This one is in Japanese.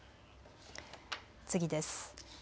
次です。